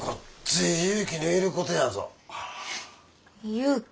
勇気？